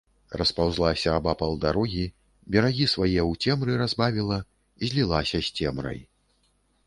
Распаўзлася абапал дарогі, берагі свае ў цемры разбавіла, злілася з цемрай.